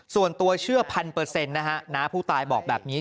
ส่วนตัวเชื่อพันเปอร์เซ็นต์นะฮะน้าผู้ตายบอกแบบนี้